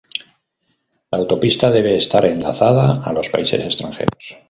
La autopista debe estar enlazada a los países extranjeros.